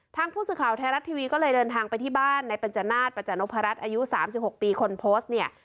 ทางผู้สื่อข่าวไทยรัฐทีวีก็เลยเดินทางไปที่บ้านในปัญจนาฏประจานพรัชอายุ๓๖ปีคนโพสต์เนี่ย